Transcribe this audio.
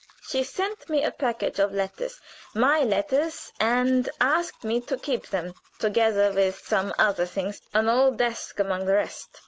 She sent me a package of letters my letters and asked me to keep them, together with some other things, an old desk among the rest.